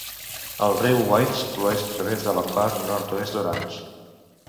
El riu Waits flueix a través de la part nord-est d'Orange.